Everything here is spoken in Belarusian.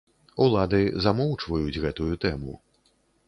Улады замоўчваюць гэтую тэму.